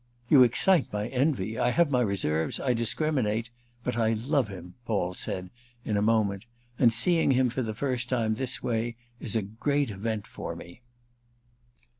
"You excite my envy. I have my reserves, I discriminate—but I love him," Paul said in a moment. "And seeing him for the first time this way is a great event for me."